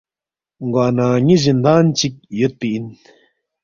گوانہ ن٘ی زِندان چِک یودپی اِن،